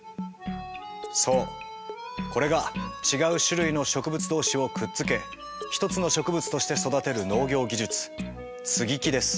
そうこれが違う種類の植物同士をくっつけ一つの植物として育てる農業技術接ぎ木です。